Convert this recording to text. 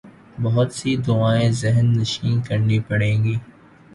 بہت سی دعائیں ذہن نشین کرنی پڑیں گی۔